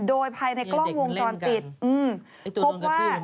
โดยภายในกล้องวงจรปิดอืม